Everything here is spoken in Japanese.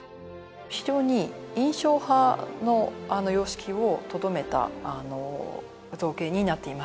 非常に印象派の様式をとどめた造詣になっています